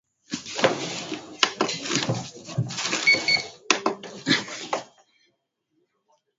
na chama hawana uhusiano na siasa